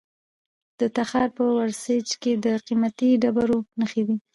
د تخار په ورسج کې د قیمتي ډبرو نښې دي.